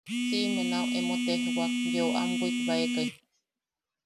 Siʼime nau emo tejwak yeu am wikbaekai.